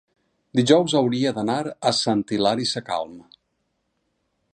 dijous hauria d'anar a Sant Hilari Sacalm.